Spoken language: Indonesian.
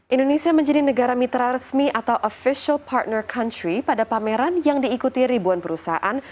indonesia menjadi negara mitra resmi atau official partner country pada pameran yang diikuti ribuan perusahaan